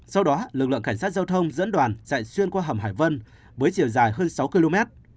sau đó lực lượng cảnh sát giao thông dẫn đoàn chạy xuyên qua hầm hải vân với chiều dài hơn sáu km